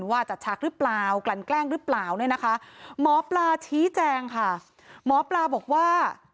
ว่าจัดฉากหรือเปล่ากลั่นแกล้งหรือเปล่าเนี่ยนะคะหมอปลาชี้แจงค่ะหมอปลาบอกว่า